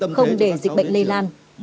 không để dịch bệnh lây lan